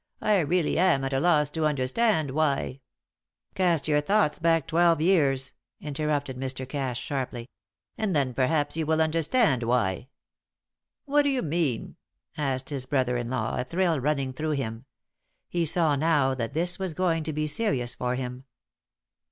"I really am at a loss to understand why " "Cast your thoughts back twelve years," interrupted Mr. Cass, sharply, "and then perhaps you will understand why " "What do you mean?" asked his brother in law, a thrill running through him. He saw now that this was going to be serious for him.